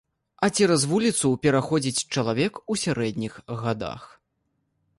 А цераз вуліцу пераходзіць чалавек у сярэдніх гадах.